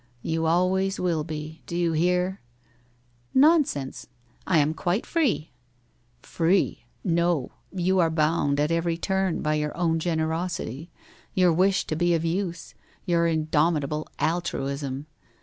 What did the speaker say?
You always will be, do you hear? '' Nonsense! I am quite free.' ' Free, no, you are bound at every turn by your own generosity — your wish to be of use — your indomitable altruism.